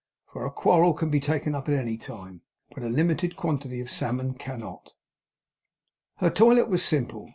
For a quarrel can be taken up at any time, but a limited quantity of salmon cannot. Her toilet was simple.